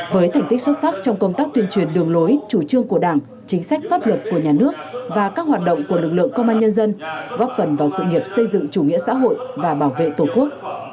với thành tích xuất sắc trong công tác tuyên truyền đường lối chủ trương của đảng chính sách pháp luật của nhà nước và các hoạt động của lực lượng công an nhân dân góp phần vào sự nghiệp xây dựng chủ nghĩa xã hội và bảo vệ tổ quốc